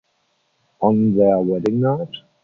On their wedding night?